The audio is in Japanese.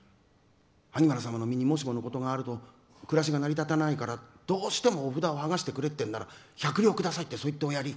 萩原様の身にもしものことがあると暮らしが成り立たないからどうしてもお札をはがしてくれってんなら１００両くださいって言っておやり。